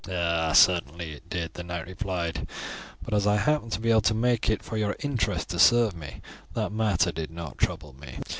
"Certainly it did," the knight replied; "but as I happen to be able to make it for your interest to serve me, that matter did not trouble me.